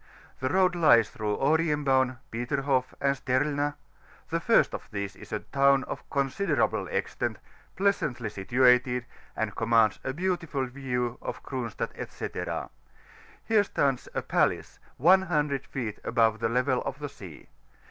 The road lies through Onenbaum, Peterhoff, and Strelna: the first of these IS a town of considerable extent, pleasantly situated, and commands a beautiful view of Cronstadt, &c. Here stands a pedaoe, 100 feet above the levd of the sea.